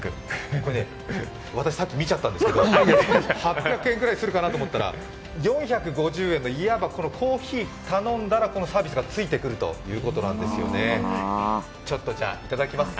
私さっき見ちゃったんですけど８００円くらいするかなと思ったら４５０円の、コーヒーを頼んだらこのサービスが付いてくるということなんですよね。